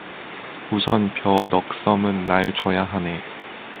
우선 벼 넉 섬은 날 줘야 하네.